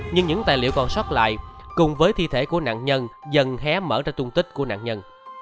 nhưng những tài liệu còn sót lại cùng với thi thể của nạn nhân dần hé mở ra tung tích của nạn nhân